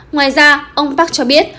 ngoài ra ông park cho biết